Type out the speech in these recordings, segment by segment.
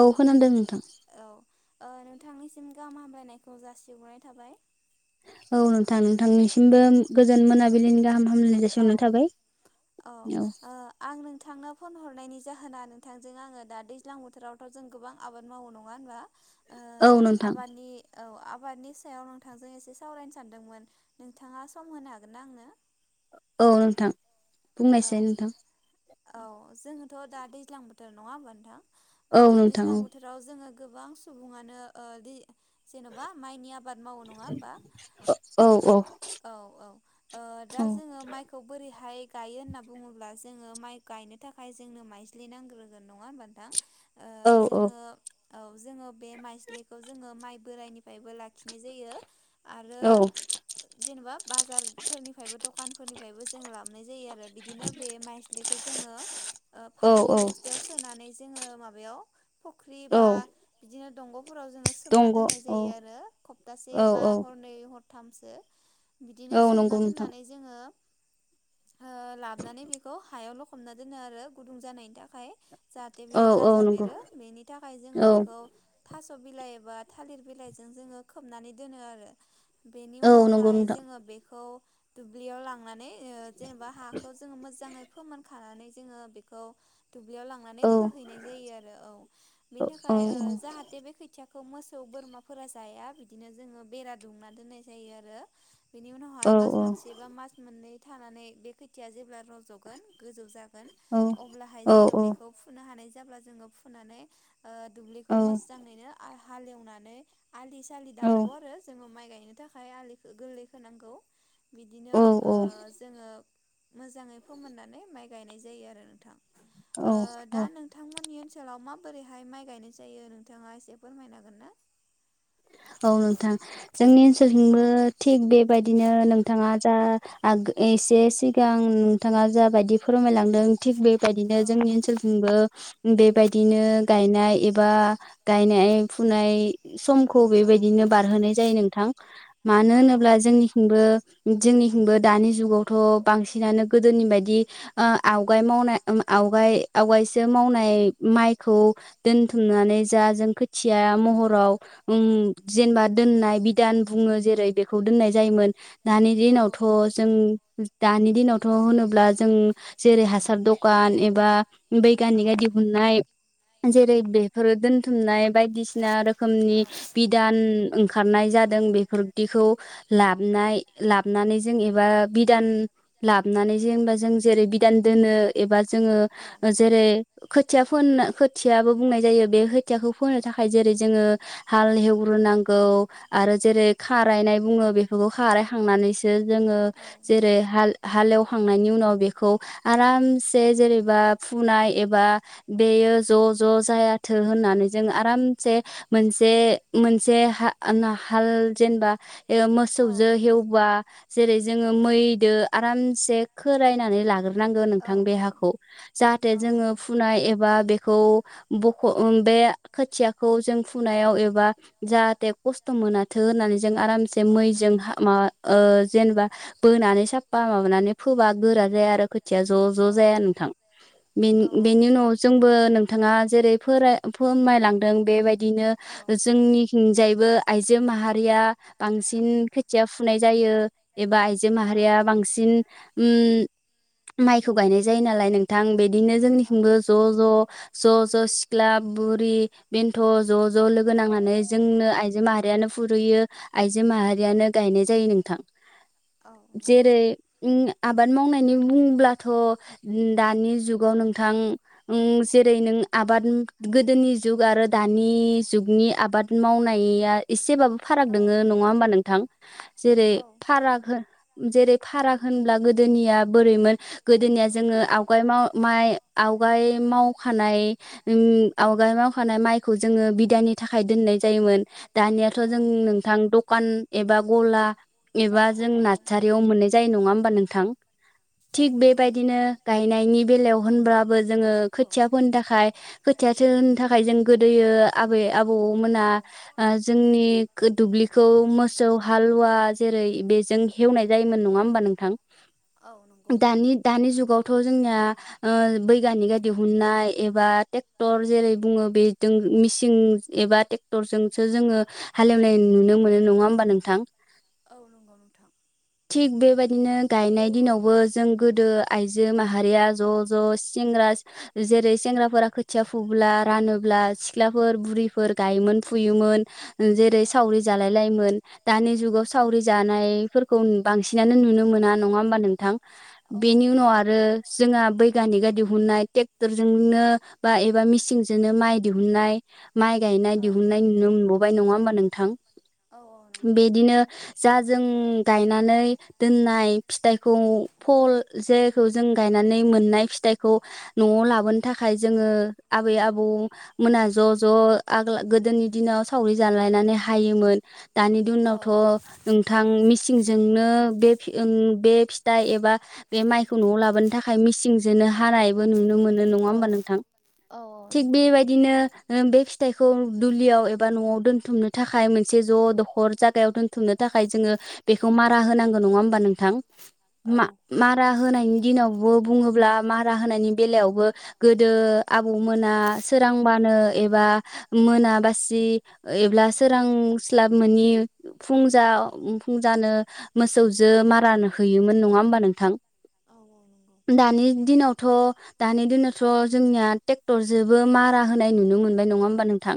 औ खोनादों नोंथां ओ नोंथांनिसिम गाहाम हामलायनायखौ जासिहरनाय थाबाय। औ नोंथां नोंथांनिसिमबो गोजोन मोनाबिलिनि गाहाम औ औ ओ आं नों थांनो फन हरनायनि जाहोना नोंथांजों आङो दा दैज्लां बोथोरावथ' जों गोबां आबाद मावो नङा होनबा ओ आबादनि औ आब आबादनि सायाव नोंथांजों एसे सावरायनो सानदोंमोन नोंथाङा सम होनो हागोनना आंनो औ नोंथां औ औ जों थ' दा दैज्लां बोथोर नङा होमा नोंथां। ओ दैज्लां बोथोराव जोङो गोबां सुबुङानो ओ दि जेन'बा माइनि आबाद मावो नङा होमबा औ औ ओ दा जोङो माइखौ बोरैहाय यो होनना बुङोब्ला जोङो माइ गायनो थाखाय जोंनो माइज्लि नांग्रोगोन नङा होनोमब नोंथां ओ जोङो औ जोङो बे माइस्लिखौ जोङो माइ बोराइनिफ्रायबो लाखिनाय जायो। आरो जेनेबा बाजारफोरनिफ्रायबो दखानफोरनिफ्राय बो जों लाब मोन्नाय जायो आरो बिदिनो बे माइज्लिखौ जोंओ ओ फाथोनि बस्थायाव सोनानै जोंओ माबायाव फुख्रि बा बिदिनो नंगौ हराव जोङो सोमना दोननाय जायो आरो सप्तासे बा हरनै हर थामसो बिदिनो सोमना दोननानै जोङो ओ लाबोनानै बेखौ हायाव लखबना दोनो आरो गुदुं जानायनि थाखाय। जाहाथे बियो गाजा बेरो बेनि थाखाय जोङो बेखौ थास' बिलाइ एबा थालिर बिलाइजों जोङो खोबनानै दोनो आरो बेनि उनावहाय जोङो बेखौ दुब्लियाव लांनानै जेनेबा हाखौ जोङो मोजाङै फोमोन खानानै जोङो बेखौ दुब्लियाव लांनानै फोहैनाय जायो आरो औ बेनि थाखाय जाहाथे बे खैथिया खौ मोसौ बोरमाफोरा जाया बिदिनो जोङो बेरा दुंना दोननाय जायो आरो बेनि उनावहाय मास मोनसे बा मास मोननै थानानै बे खोथिया जेब्ला रज जागोन गोजौ जागोन अब्लाहाय जोङो बेखौ फुनो हानाय जेब्ला जोङो फुनानै दुब्लिखौ मोजाङैनो हालएवनानै आलि सालि दाननांगौ आरो जोङो माइ गायनो बेनो थाखाय आलिखौ गोरलै खोनांगौ बिदिनो ओ जोङो मोजाङै फोमोननानै माइ गायनाय जायो आरो नोंथां दा नोंथांमोननि ओनसोलाव ओनसोलाव माबोरैहाय माइ गायनाय जायो नोंथाङा एसे फोरमायनो हागोन ना औ नोंथां जोंनि ओनसोलथिंबो थिग बेबायाददि बिदिनो नोंथाङा जा एसे सिगां नोंथाङा जा बायदि फोरमायलांदों थिग बेबायदिनो जोंनि ओनसोलजोंबो बेबायदिनो गायनाय एबा गायनाय फुनाय सम खौ बेबायदिनो बारहोनाय जायो नोंथां मानो होनोब्ला जोंनिथिंबो जोंनिथिबो दानि जुगावथ' बांसिनानो गोदोनि बायदि आवगाय मावनाय आवगाय आवगायसो मावनाय माइखौ दोनथुमनानै जा जों खोथिया महराव जेनेबा दोननाय बिदान बुङो जेरै बेखौ दोननाय जायोमोन दानि दिनावथ' जों दानि दिनावथ' होनोब्ला जों जेरै हासार दखान एबा बैग्निक आ दिहुननाय जेरै बेफोरो दोनथुमनाय बायदिसिना रोखोमनि बिदान ओंखारनाय जादों जों बेफोरदिखौ लाबनाय लाबनानै जों एबा बिदान लाबोनानै जेनबा जों जेरै बिदान दोनो एबा जोङो जेरै खोथिया फोनो खोथियाबो बुंनाय जायो बे खोथियाखौ फोनो थाखाय जेरै जोङो हाल एवग्रोनांगौ आरो जेरै खारायनाय बुङो बेफोरखौ खारायखांनानै जोङो जेरै हाल हाल एवखांनायनि उनाव बेखौ आरामसे जेरेबा फुनाय एबा बेयो ज' ज' जायाथों होननानै जों आरामसे मोनसे जे मोनसे हा हाल जेनेबा मोसौजो हेवबा जेरै जोङो मैदो आरामसे खो नानै लाग्रोनांगोन नोंथां बे हाखौ जाहाथे जोङो फुनाय एबा खौ बख' उम बे खोथियाखौ जों फुनायाव एबा जाहाथे खस्थ' मोनाथो होननानै जों आरामसे मैजों हा माबा ओ जेनेबा बोनानै साफा माबानानै फोबा गोरा जाया आरो खोथिया ज' ज' जाया नोंथां बेनि बेनि उनाव जोंबो नों थाङा जेरै फोराय फोमायलांदों बेबायदि दिनो जोंनिहिंजाय बो आइजो माहारिया बांसिन खोथिया फुनाय जायो एबा आइजो माहारिया बांसिन उम माइखौ गायनाय जायो नालाय नोंथां बि दिनो जोंनिथिंबो ज' ज' ज' ज' सिख्ला बुरि बे [unintelligible] थ' ज'-ज' लोगो नांनानै जोंनो आयजो माहारियानो फुरुयो आइजो माहारियानो गायनाय जायो नोंथां जेरै उम आबाद मावनायनि बुंब्लाथ' ओम दानि जुगाव नोंथां ओं जेरै नों आबाद ओम गोदोनि जुग आरो दानि जुगनि आबाद मावनायनि या एसेबाबो फाराग दोङो नङा होमबा नोंथां जेरै फाराग हो जेरै फाराग होनब्ला गोदोनिया बोरैमोन गोदोनिया जोङो आवगाय माव माइ आवगाय मावखानाय उम आवगाय मावखा खौ जोङो बिधाननि थाखाय दोननाय जायोमोन दानियाथ' जों नोंथां दकान एबा गला एबा जों नाथसारिआव मोननाय जायो नङा होनबा नोंथां थिग बेबायदिनो गायनायनि बेलायाव होनब्लाबो जोङो खोथिया फोनो थाखाय खोथिया थो होनो थाखाय जों हालुवा जेरै बेजों हेवनाय जायोमोन नङा होमबा नोंथां दानि दानि जुगावथ' जोंनिया ओ बैगानिकआ दिहुननाय एबा टेक्टर जेरै बुङो बि दों मिसिन एबा टेक्टरजोंसो जोङो हालेवनाय नुनो मोनो नङा होमबा नोंथां औ नंगौ नोंथां थिग बेबायदिनो गायनाय दिनावबो जों गोदो आइजो माहारिया ज' ज' सेंग्रा जेरै सेंग्राफोरा खोथिया फुबोला रानो सिख्लाफोर बुरिफोर गायोमोन फुयोमोन जेरै सावरि जालाय लायोमोन दानि जुगाव सावरि जानायफोरखौ बांसिनानो नुनो मोना नङा होमबा नोंथां बेनि उनाव आरो जोंहा बैगानिकआ दिहुननाय टेक्टरजोंनो बा एबा मिस सिनजोंनो माइ दिहुननाय माइ गायनाय दिहुननाय नुनो मोनबावबाय नङा होमबा नोंथां बिदिनो जा जों गायनानै दोननाय फिथाइखौ फल जेखौ जों गायनानै मोननाय फिथाइखौ न'आव लाबोनो थाखाय जोङो आबै आबौ मोना ज' ज' आगला गोदोनि दिनाव सावरि जालायनानै हायोमोन दानि दिनावथ' नोंथां मि मिसिंजोंनो बे ओ बे फिथाइ एबा बे माइखौ न'आव लाबोनो थाखाय मिसिंजोंनो हानायबो नुनो मोनो नंङा होनबा नोंथां थिख बे नो बे फिथाइखौ दुलियाव एबा न'आव दोनथुमनो थाखाय मोनसे ज' दखर जायगायाव दोनथुमनो थाखाय जोङो बेखौ मा मारा होनांगौ नङा होनबा नोंथां मारा होनायनि दिनावबो बुङोब्ला मारा होनायनि बेलायावबो गोदो आबौ मोना सोरांबानो एबा मोना बासि एब्ला सोरांस्लाब मोननि फुंजा फुं जानो मोसौजों मारा हैयोमोन नङा होमबा नोंथां दानि दिनावथ' दानि दिनावथ' जोंनिया ट्रेक्टर जो बो मारा होनाय नुनो मोनबाय नङा होमबा नोंथां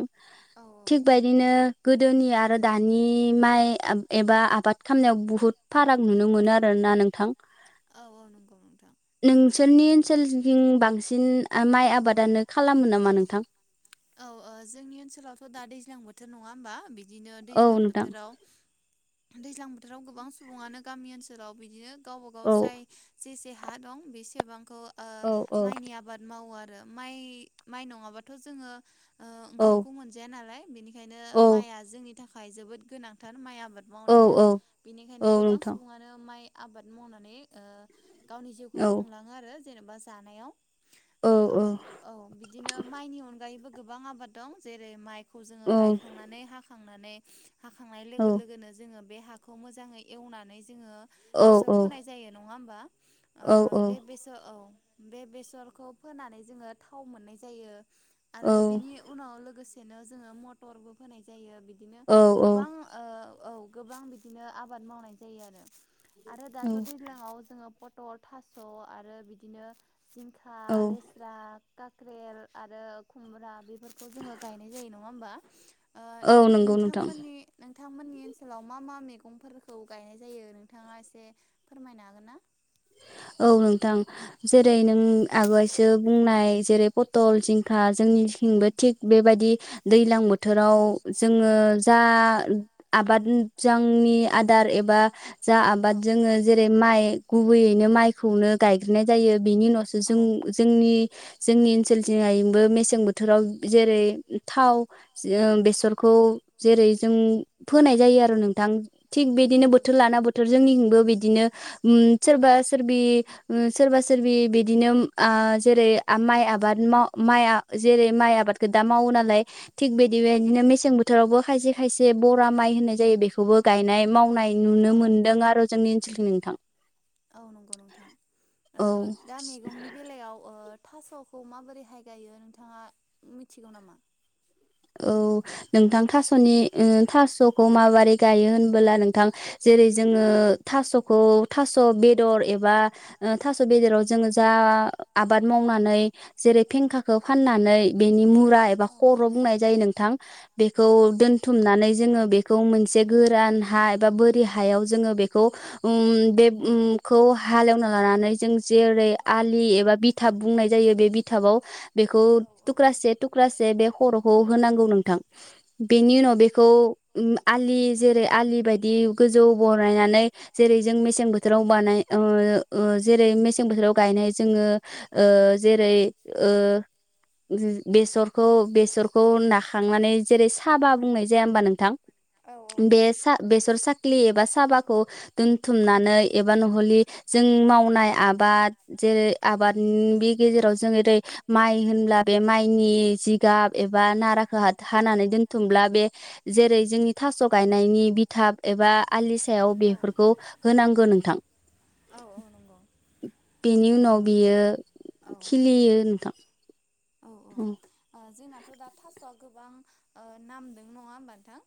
थिग बेबायदिनो गोदोनि आरो दानि माइ एबा आबाद खालामनायाव बुहुद फाराग नुनो मोनो आरोना नोंथां नोंसोरनि ओनसोलजों बांसिन माइ आबादानो खालामो नामा नोंथां औ जोंनि ओनसोलावथ' दा दैज्लां बोथोर नङा होमबा बिदिनो दैज्लां बोथोराव दैज्लां बोथोराव गोबां सुबुङानो गामि ओनसोलाव बिदिनो गावबा गाव जाय जेसे हा दं बेसेबांखौ माइनि आबाद मावो आरो आरो माइ माइ नङाबाथ' जोङो ओंखामखौ मोनजाया नालाय बेनि ओंखायनो माइआ जोंनि नि थाखाय जोबोद गोनांथार माइ आबाद मावनाया बेनिखायनो गोबां सुबुङानो माइ आबाद मावनानै गावनि जिउखौ खुंलाङो आरो जेनेबा जानायाव औ औ बिदिनो माइनि अनगायैबो गोबां आबाद दं जेरै माइ खौ जोङो गायखांनानै हा थांनानै हाखांनाय लोगो लोगोनो जोङो बे हाखौ मोजाङै एवनानै जोङो बेसर फोनाय जायो नङा हो बा औ बे बेसरखौ फोनानै जोङो थाव मोननाय जायो आरो बिनि उनाव लोगोसे बिनो जोङो मटरबो फोनाय होनाय जायो बिदि बिदिनो गोबां ओ औ गोबां बिदिनो आबाद मावनाय जायो आरो आरो दाथ' दैज्लाङाव जोङो फटल थास' आरो बिदिनो। जिंखााललेस्राक कक्रेल आरो खुमब्रा बेफोरखौ जोङो गायनाय जायो नङा होमबा औ नंगौ नोंथां नोंथांमोननि ओनसोलाव मा मा मैगंफोरखौ गायनाय जायो नोंथाङा एसे फोरमायनो हागोन ना औ नोंथां जेरै नों आगोलायसो बुंनाय जेरै पथल जिंखा जोंनिथिंबो थिग बेबायदि दैलां बोथोराव जोङो जा आबाद जांनि आदार एबा जा आबाद जोङो जेरै माइ गुबैयैनो माइखौनो गायग्रोनाय जायो। बेनि उनावसो जों जोंनि जोंनि ओनसोलनिगायैबो मेसें बोथोराव जेरै थिग बिदिनोबोथोर लाना बोथोर जों निबो बिदि बिदिनो सोरबा सोरबि सोरबा सोरबि बिदि थिग बिदि बेदिनो मेसें बोथोरावबो खायसे खायसे बरा माइ मि नोंथां। औ नंगौ नोंथां दा मैगंनि बेलायाव थास'खौ माबोरै हाय गायो नोंथाङा मिथिगौ नामा? औ नोंथां थास'नि थास'खौ माबोरै गायो होनबोला नोंथां जेरै जोङो थास'खौ थास' बेदर एबा। एा ख' बुंनाय। नोंथां बेखौ दथुमनानै जोङो। बेखौ मोनसे गोरान हा एबा बुरि हायाव जों बेखौ ओम बे ओमखौ हाल एवना लानानै जेरै आलि एबा बिथा बुंनाय जायो बे बिथाबाव बेखौ थुख्रासे थुख्रासे खरब होनांगौ नोंथां बेनि उनाव बेखौ आलि जेरै आलि बायदि गोजौ बरायनानै जेरै जों मेसें बोथोराव बानाय ओ जेरै मेसें बोथोराव गायनाय जोङो ओ जेरै ओ बेसरखौ बेसर खौ ना खांनानै जेरै साबा बुंनाय जाया होमबा नोंथां बे बेसर सा एबा साबाखौ दोनथुमनानै एबा नहलि जों मावनाय आबाद जेरै आबादनि गेजेराव जों माइ होनब्ला बे माइनि जिगाब एबा नाराखौ हानानै दोन्थुमब्ला बे जेरै जोंनि थास' गायनायनि बिथाब एबा आलि सायाव बेफोरखौ होनांगौ नों थां। बेनि उनाव बियो खिलियो नोंथां। औ आथ' दा थास'आ गोबां ओ नामदों नङा होमबा नोंथां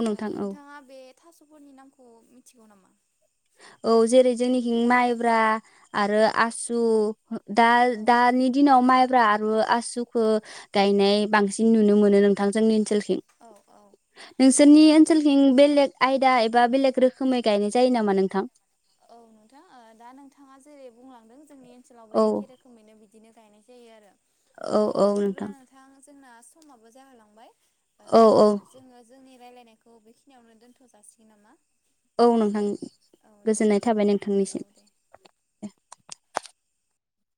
ओ नोंथाङा बे थास'फोरनि नामखौ मिथिगौ नामा? औ जेरै जोंनिखिं माइब्रा आरो आसु दाल दानि दिनाव माइब ब्रा आरु आसुखो गायनाय बांसिन नुनो मोनो नोंथां जोंनि ओनसोल थिं नोंसोरनि ओनसोलखिं बेलेग आयदा एबा बेलेग रोखोमै गायनाय जायो नामा? नों थां औ नोंथां ओ दा नोंथाङा जेरै बुंलांदों जोंनि ओनसोलावबो एखे रोखोमैनो बिदिनो। गायनाय जायो आरो ओ बिदिब्ला नोंथां जोंना समाबो जाहोलांबाय ओ जोङो जोंनि रायलायनायखौ बेखिनियावनो दोनथ' जासिगोन नामा? औ नोंथां गोजोननाय थाबाय नोंथांनिसिम दे।